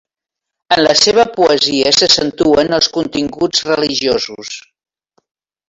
En la seva poesia s'accentuen els continguts religiosos.